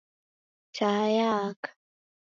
Taa yaaka.